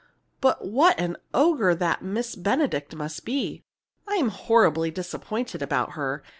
"But what an ogre that Miss Benedict must be! I'm horribly disappointed about her.